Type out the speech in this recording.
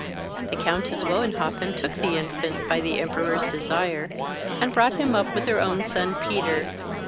The Countess Wohenhoffen took the infant, by the Emperor's desire, and brought him up with her own son Peter.